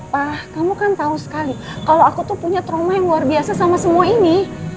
pak kamu kan tahu sekali kalau aku tuh punya trauma yang luar biasa sama semua ini